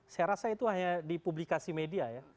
saya rasa itu hanya di publikasi media ya